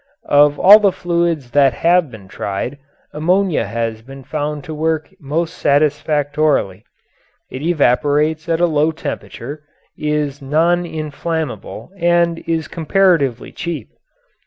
Of all the fluids that have been tried, ammonia has been found to work most satisfactorily; it evaporates at a low temperature, is non inflammable, and is comparatively cheap.